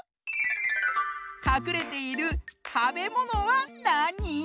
かくれているたべものはなに？